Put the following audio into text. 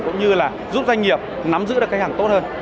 cũng như là giúp doanh nghiệp nắm giữ được khách hàng tốt hơn